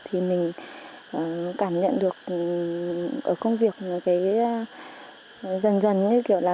thì mình cảm nhận được ở công việc và cái dần dần như kiểu là